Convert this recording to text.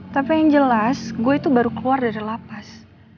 tapi yang jelas gue itu baru keluar dari lapas